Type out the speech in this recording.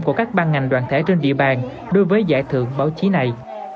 của các ban ngành đoàn thể trên địa bàn đối với giải thưởng báo chí này